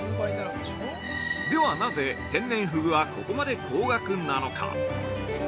ではなぜ、天然ふぐはここまで高額なのか。